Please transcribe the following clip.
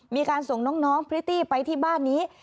มีการส่งน้องพริตตี้ไปที่บ้านนี้